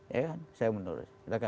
ya kan saya mundur